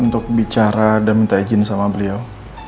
untuk bicara dan minta izin sama beliau